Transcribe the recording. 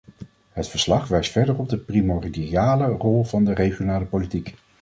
Het verslag wijst verder op de primordiale rol van de regionale politiek.